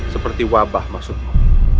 seperti wabah maksudmu